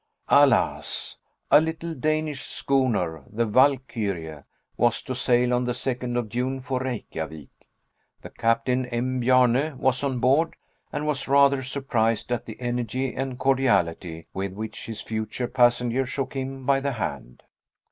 Alas! a little Danish schooner, the Valkyrie, was to sail on the second of June for Reykjavik. The captain, M. Bjarne, was on board, and was rather surprised at the energy and cordiality with which his future passenger shook him by the hand.